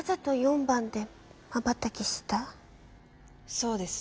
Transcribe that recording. そうです。